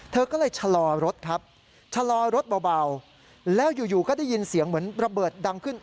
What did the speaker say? เธอก็เลยชะลอรถครับชะลอรถเบาแล้วอยู่ก็ได้ยินเสียงเหมือนระเบิดดังขึ้น